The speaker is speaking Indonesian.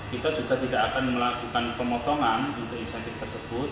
kita juga tidak akan melakukan pemotongan untuk insentif tersebut